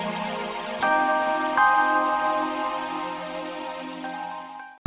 emanya udah pulang kok